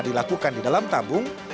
dilakukan di dalam tabung